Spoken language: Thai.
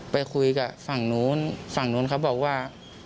ไปคุยกับฝั่งนู้นฝั่งนู้นเขาบอกว่า